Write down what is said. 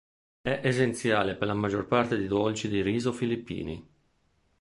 È essenziale per la maggior parte di dolci di riso filippini.